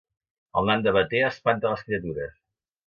El nan de Batea espanta les criatures